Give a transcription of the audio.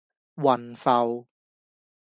雲浮